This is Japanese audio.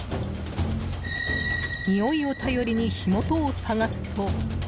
においを頼りに火元を探すと。